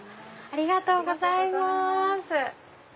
ありがとうございます。